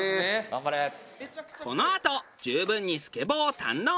このあと十分にスケボーを堪能。